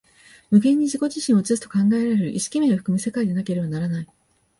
無限に自己自身を映すと考えられる意識面を含む世界でなければならない。